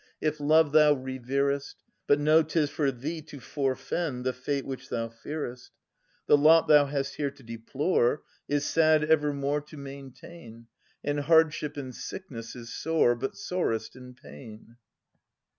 If love thou reverest. But know 'tis for thee to forfend The fate which thou fearest. The lot thou hast here to deplore, Is sad evermore to maintain. And hardship in sickness is sore. But sorest in pain.